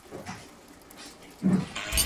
Tenía poderes de brujería, magia y medicina.